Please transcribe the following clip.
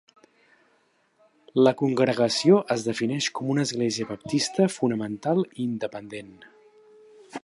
La congregació es defineix com una Església Baptista, fonamental, i independent.